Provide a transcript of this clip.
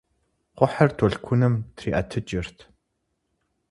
Кхъухьыр толъкъуным триӀэтыкӀырт.